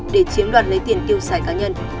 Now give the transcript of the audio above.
để chiếm đoạt lấy tiền tiêu xài cá nhân